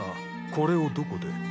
これをどこで？